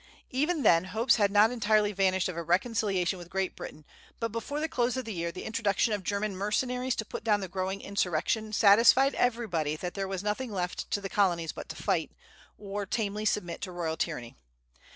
Even then hopes had not entirely vanished of a reconciliation with Great Britain, but before the close of the year the introduction of German mercenaries to put down the growing insurrection satisfied everybody that there was nothing left to the Colonies but to fight, or tamely submit to royal tyranny.